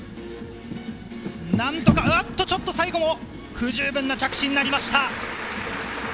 何とかちょっと最後も不十分な着地になりました。